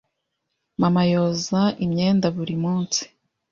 Mama yoza imyenda buri munsi.